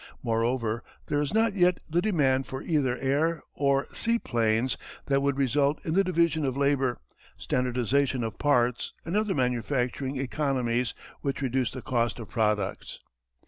Moreover there is not yet the demand for either air or seaplanes that would result in the division of labour, standardization of parts, and other manufacturing economies which reduce the cost of products.